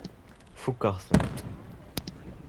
Fukeɣ-tent.